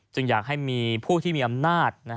อยากให้มีผู้ที่มีอำนาจ